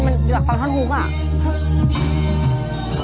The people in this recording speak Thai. มันเหลือฟังท้อนฮุบอะ